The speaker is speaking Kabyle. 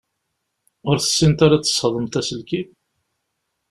Ur tessineḍ ara ad tesxedmeḍ aselkim?